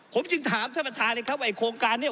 ผมจึงถามท่านประธานเลยครับว่าโครงการนี้